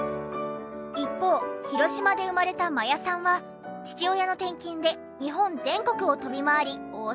一方広島で生まれた真矢さんは父親の転勤で日本全国を飛び回り大阪へ。